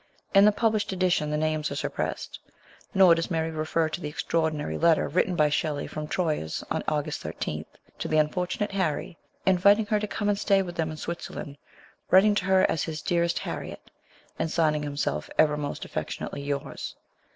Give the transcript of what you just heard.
In the published edition the names are suppressed. Nor does Mary refer to the extraordinary letter written by Shelley from Troyes on August 13, to the unfortunate Harriet, inviting her to come and stay with them in Switzerland, writing to her as his " dearest Harriet," and signing himself 'ever most affectionately yours."